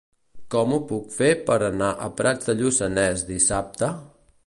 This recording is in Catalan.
Com ho puc fer per anar a Prats de Lluçanès dissabte?